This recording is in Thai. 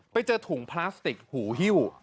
ไปเจอถุงพลาสติกหูฮิ้ว